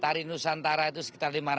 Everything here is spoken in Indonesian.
tari nusantara itu sekitar lima ratus